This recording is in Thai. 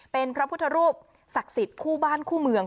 เป็นพระพุทธรูปศักดิ์สิทธิ์คู่บ้านคู่เมือง